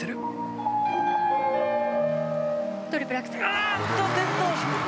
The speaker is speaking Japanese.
あっと転倒！